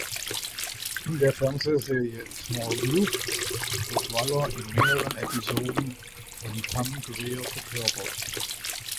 In der Fernsehserie "Smallville" wird Waller in mehreren Episoden von Pam Grier verkörpert.